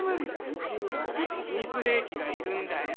うちにはな秘密兵器がいるんだよ。